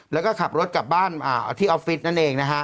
แล้วก็ขับรถกลับบ้านที่ออฟฟิศนั่นเองนะฮะ